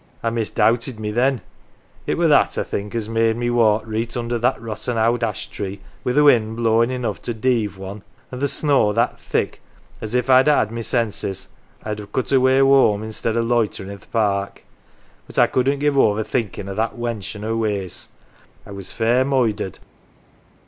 I misdoubted me then it were that, I think, as made me walk reet under that rotten owd ash tree wi' th' wind blowin' 98 NANCY enough to deave one, an" 1 th' snow that thick as if I'd ha' had my senses I'd have cut away whoam i'stead o' loiterin' i' th' park. But I couldn't give over thinkin' o' that wench an' her ways ; I was fair moidered."